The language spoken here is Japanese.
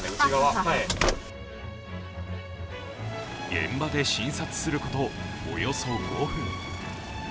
現場で診察することおよそ５分。